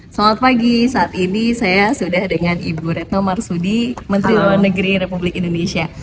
selamat pagi saat ini saya sudah dengan ibu retno marsudi menteri luar negeri republik indonesia